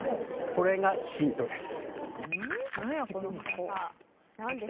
これがヒントです。